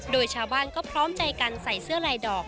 โดยชาวบ้านก็พร้อมใจกันใส่เสื้อลายดอก